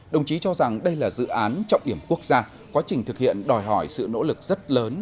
đồng chí cho rằng đây là dự án trọng điểm quốc gia quá trình thực hiện đòi hỏi sự nỗ lực rất lớn